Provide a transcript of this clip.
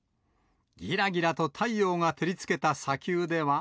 ぎらぎらと太陽が照りつけた砂丘では。